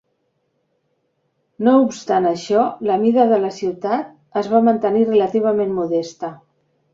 No obstant això, la mida de la ciutat es va mantenir relativament modesta.